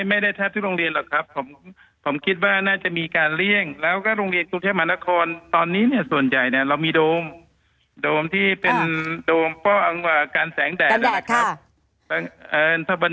อ๋อไม่ได้แทบที่โรงเรียนหรอกครับผมคิดว่าน่าจะมีการเลี่ยงแล้วก็โรงเรียนธุรกิจมหานครตอนนี้ส่วนใหญ่เรามีโดมโดมที่เป็นโดมป้ออังว่าการแสงแดด